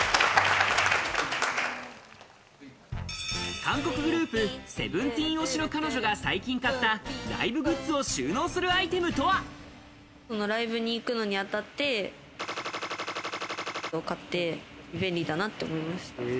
韓国グループ・ＳＥＶＥＮＴＥＥＮ推しの彼女が最近買ったライブグッズを収納するアイテムとライブに行くのに当たって、を買って便利だなって思いました。